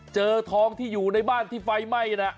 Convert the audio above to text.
เจอทองที่อยู่ในบ้านที่ไฟไหม้นะ